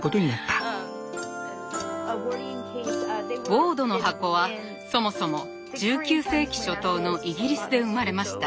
ウォードの箱はそもそも１９世紀初頭のイギリスで生まれました。